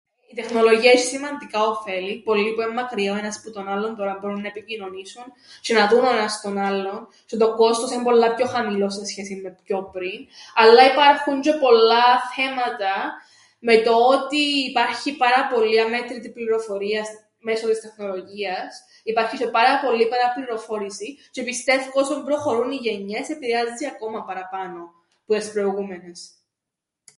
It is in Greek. Η τεχνολογία έσ̆ει σημαντικά οφέλη, πολλοί που εν' μακριά ο ένας που τον άλλον τωρά μπορούν να επικοινωνήσουν τžαι να δουν ο ένας τον άλλον τžαι το κόστος εν' πολλά πιο χαμηλόν σε σχέσην με πιο πριν, αλλά υπάρχουν τžαι πολλά θέματα με το ότι υπάρχει πάρα πολλή, αμέτρητη πληροφορία μέσον της τεχνολογίας, υπάρχει τžαι πάρα πολλή παραπληροφόρηση τžαι πιστεύκω όσον προχωρούν οι γενιές επηρεάζει ακόμα παραπάνω που τες προηγούμενες.